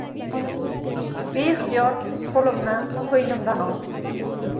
Beixtiyor qo‘limni qo‘ynimdan oldim.